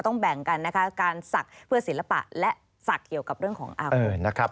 แบ่งกันนะคะการศักดิ์เพื่อศิลปะและศักดิ์เกี่ยวกับเรื่องของอาวุธนะครับ